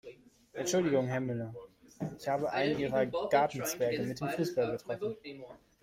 Entschuldigung Herr Müller, ich habe einen Ihrer Gartenzwerge mit dem Fußball getroffen.